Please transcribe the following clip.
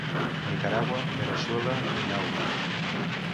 Nicaragua, Veneçuela i Nauru.